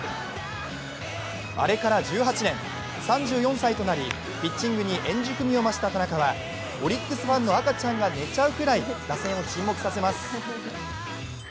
あれから１８年、３４歳となりピッチングに円熟味を増した田中はオリックスファンの赤ちゃんが寝ちゃうぐらい打線を沈黙させます。